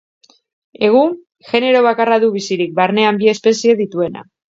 Egun, genero bakarra du bizirik, barnean bi espezie dituena.